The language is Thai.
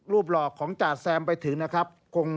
หลอกของจ่าแซมไปถึงนะครับ